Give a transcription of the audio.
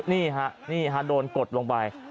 นี่ฮะนี่ฮะโดนกดลงไป